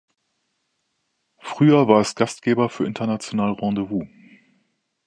Früher war es Gastgeber für International Rendezvous.